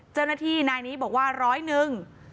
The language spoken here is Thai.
เจ้าหน้าที่นายนี้บอกว่าร้อยหนึ่ง